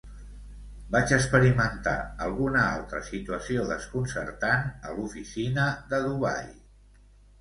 Vaig experimentar alguna altra situació desconcertant a l'oficina de Dubai.